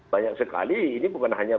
banyak sekali ini bukan hanya